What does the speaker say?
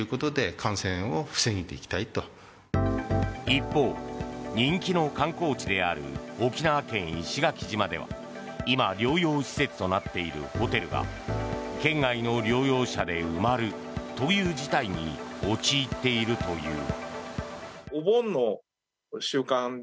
一方、人気の観光地である沖縄県・石垣島では今、療養施設となっているホテルが県外の療養者で埋まるという事態に陥っているという。